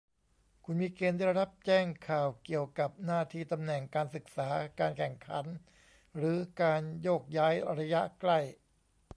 คุณมีเกณฑ์ได้รับแจ้งข่าวเกี่ยวกับหน้าที่ ตำแหน่ง การศึกษา การแข่งขัน หรือการโยกย้ายระยะใกล้